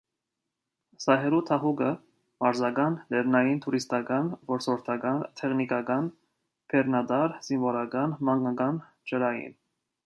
Սահելու դահուկը՝ մարզական, լեռնային, տուրիստական, որսորդական, տեխնիկական, բեռնատար, զինվորական, մանկական, ջրային։